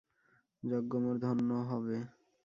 যজ্ঞ মোর ধন্য হবে।